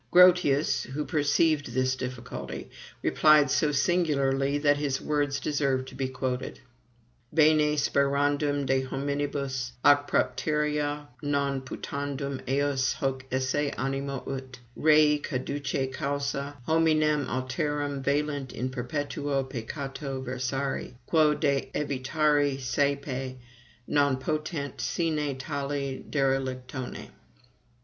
Grotius, who perceived this difficulty, replied so singularly that his words deserve to be quoted: _Bene sperandum de hominibus, ac propterea non putandum eos hoc esse animo ut, rei caducae causa, hominem alterum velint in perpetuo peccato versari, quo d evitari saepe non poterit sine tali derelictione_.